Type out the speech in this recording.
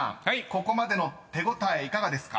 ここまでの手応えいかがですか？］